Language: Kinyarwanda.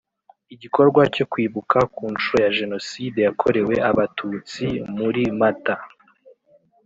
igikorwa cyo kwibuka ku nshuro ya Jenoside yakorewe Abatutsi muri mata